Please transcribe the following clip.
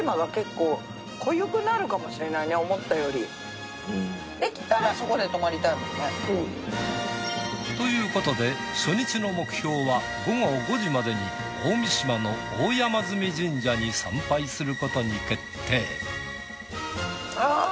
思ったより。ということで初日の目標は午後５時までに大三島の大山神社に参拝することに決定。